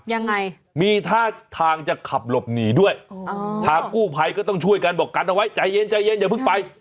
ยังไงมีท่าทางจะขับหลบหนีด้วยทางกู้ภัยก็ต้องช่วยกันบอกกันเอาไว้ใจเย็นใจเย็นอย่าเพิ่งไป